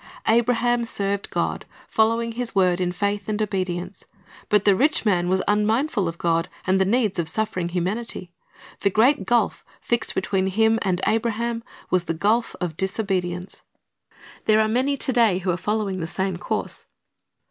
Abraham served God, following His word in faith and obedience. But the rich man w^as unmindful of God, and of the needs of suffering humanity. The great gulf fixed between him and Abraham was the gulf of disobedience. 2/0 Chr/st's Object Lessons There are many to day who are following the same course.